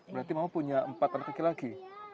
berarti mama punya empat anak laki laki